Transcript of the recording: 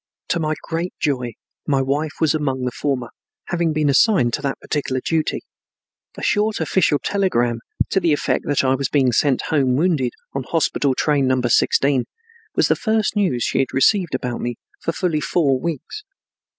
To my great joy my wife was among the former, having been assigned to that particular duty. A short official telegram to the effect that I was being sent home wounded on hospital train Number 16 was the first news she had received about me for fully four weeks.